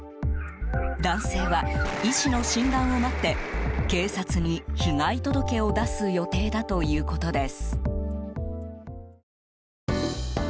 男性は医師の診断を待って警察に被害届を出す予定だということです。